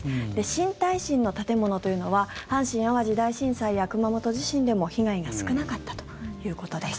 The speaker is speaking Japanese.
新耐震の建物というのは阪神・淡路大震災や熊本地震でも被害が少なかったということです。